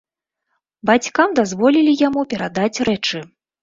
Бацькам дазволілі яму перадаць рэчы.